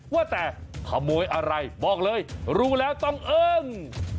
ว่าแต่ขโมยอะไรบอกเลยรู้แล้วต้องอึ้ง